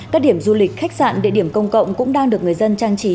các điểm du lịch khách sạn địa điểm công cộng cũng đang được người dân trang trí